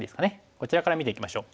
こちらから見ていきましょう。